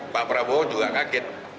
pak prabowo juga kaget